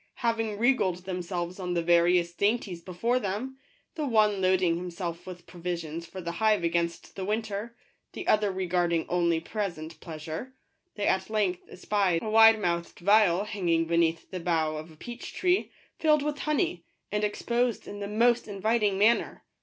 Having regaled themselves on the various dainties before them, — the one loading himself with provisions for the hive against the winter, the other regarding only present pleasure, — they at length espied a wide mouthed vial hang ing beneath the bough of a peach tree, filled with honey, and exposed in the most inviting manner.